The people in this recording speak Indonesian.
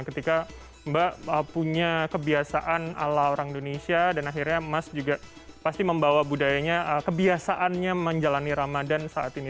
ketika mbak punya kebiasaan ala orang indonesia dan akhirnya mas juga pasti membawa budayanya kebiasaannya menjalani ramadan saat ini